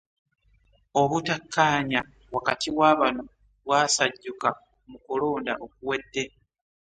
Obutakkaanya wakati wa bano bwasajjuka mu kulonda okuwedde